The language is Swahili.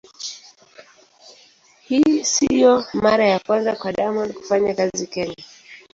Hii sio mara ya kwanza kwa Diamond kufanya kazi Kenya.